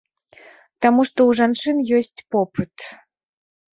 Таму што ў жанчын ёсць попыт.